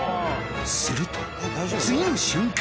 すると次の瞬間。